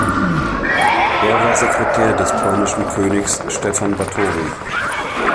Er war Sekretär des polnischen Königs Stephan Báthory.